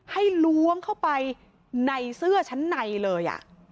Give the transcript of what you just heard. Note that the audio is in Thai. ล้วงเข้าไปในเสื้อชั้นในเลย